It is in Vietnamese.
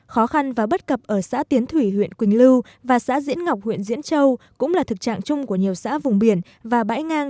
khó khăn và bất cập ở xã tiến thủy huyện quỳnh lưu và xã diễn ngọc huyện diễn châu cũng là thực trạng chung của nhiều xã vùng biển và bãi ngang